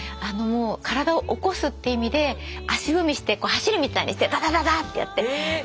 体を起こすっていう意味で足踏みしてこう走るみたいにしてダダダダッてやって「よしっ！」って言って。